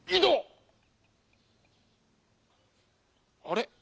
あれ？